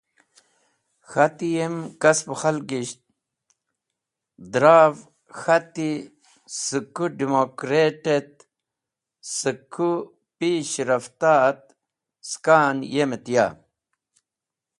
K̃hati, yem kspo khalgish, dra’v k̃hati sak kũ democrat et sak kũ pish rafta et sake n yem et ya.